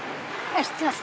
知ってます。